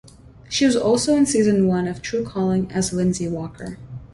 She was also in season one of "Tru Calling" as Lindsay Walker.